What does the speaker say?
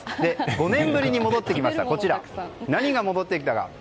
５年ぶりに戻ってきたこちら、何が戻ってきたか。